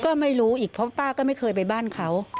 ก็ไม่รู้อีกเพราะป้าก็ไม่เคยไปบ้านเขา